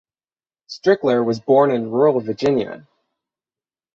Strickler was born in rural Virginia.